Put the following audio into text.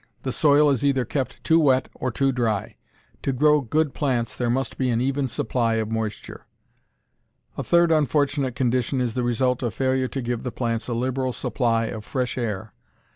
The soil is either kept too wet or too dry. To grow good plants there must be an even supply of moisture. A third unfortunate condition is the result of failure to give the plants a liberal supply of fresh air.